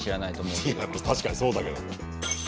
いや確かにそうだけど。